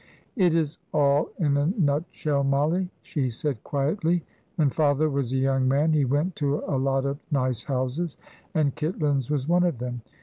"It is all in a nutshell, Mollie," she said, quietly. "When father was a young man he went to a lot of nice houses, and Kitlands was one of them.